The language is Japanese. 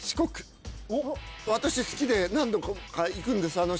私好きで何度か行くんです。